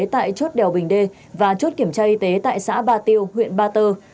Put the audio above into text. tại chốt đèo bình đê và chốt kiểm tra y tế tại xã ba tiêu huyện ba tơ